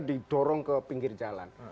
didorong ke pinggir jalan